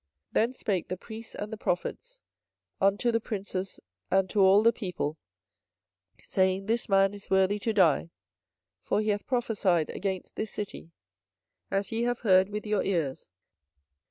24:026:011 Then spake the priests and the prophets unto the princes and to all the people, saying, This man is worthy to die; for he hath prophesied against this city, as ye have heard with your ears.